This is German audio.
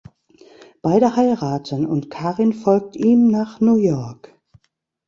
Beide heiraten und Karin folgt ihm nach New York.